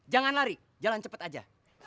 jangan lari jalan cepat aja